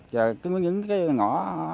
và những cái ngõ